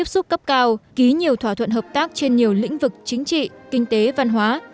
xúc cấp cao ký nhiều thỏa thuận hợp tác trên nhiều lĩnh vực chính trị kinh tế văn hóa